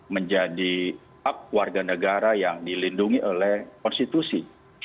menjadi hak warga negara yang dilindungi oleh konstitusi